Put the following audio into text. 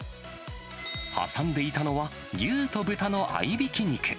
挟んでいたのは、牛と豚の合いびき肉。